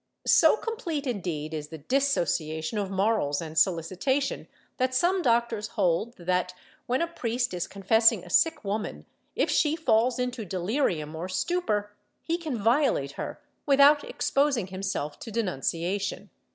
^ So complete, indeed, is the dissociation of morals and solicitation, that some doctors hold that, when a priest is confessing a sick woman, if she falls into delirium or stupor, he can violate her without exposing himself to denunciation.